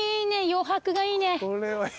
余白がいいね。